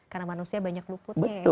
karena manusia banyak luputnya